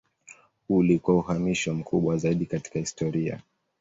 Huu ulikuwa uhamisho mkubwa zaidi katika historia.